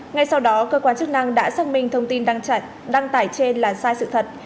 ngay sau đó cơ quan chức năng đã xác minh thông tin đăng tải trên là sai sự thật